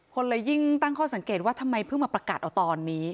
คนเลยยิ่งตั้งข้อสังเกตว่าทำไมเพิ่งมาประกาศเอาตอนนี้